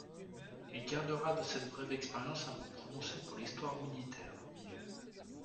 Il gardera de cette brève expérience un goût prononcé pour l’histoire militaire.